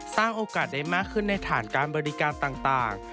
สร้างโอกาสได้มากขึ้นในฐานการบริการต่าง